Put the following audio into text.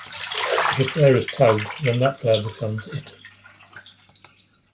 If a player is tagged, then that player becomes It.